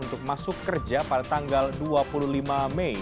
untuk masuk kerja pada tanggal dua puluh lima mei